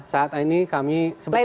saat ini kami sebetulnya